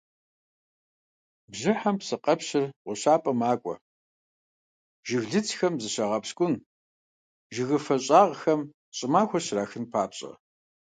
Бжьыхьэм псыкъэпщыр гъущапӀэ макӀуэ, жыглыцхэм зыщагъэпщкӀун, жыгыфэ щӀагъхэм щӀымахуэр щрахын папщӀэ.